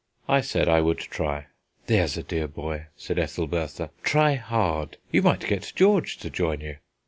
I said I would try. "There's a dear boy," said Ethelbertha; "try hard. You might get George to join you."